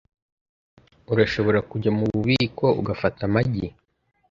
Urashobora kujya mububiko ugafata amagi?